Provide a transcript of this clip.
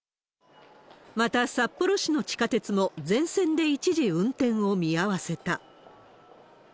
また、札幌市の地下鉄も全線で一時運転を見合わせた。